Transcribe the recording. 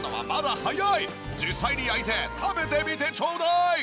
実際に焼いて食べてみてちょうだい！